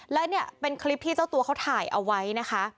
และเนี่ยเป็นคลิปที่เจ้าตัวเขาถ่ายเอาไว้นะคะ